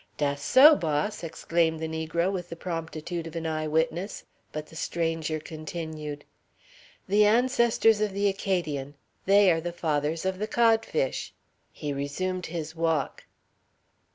"Dass so, boss," exclaimed the negro with the promptitude of an eye witness; but the stranger continued: "The ancestors of the Acadian' they are the fathers of the codfish!" He resumed his walk.